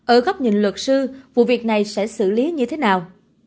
ở góc nhìn luật sư vụ việc này sẽ xử lý như thế nào